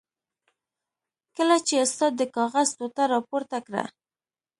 کله چې استاد د کاغذ ټوټه را پورته کړه.